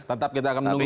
tetap kita akan menunggu